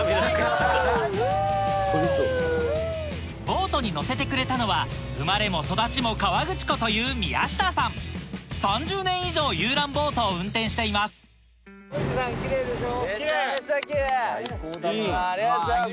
ボートに乗せてくれたのは生まれも育ちも河口湖という３０年以上遊覧ボートを運転していますめちゃめちゃキレイ！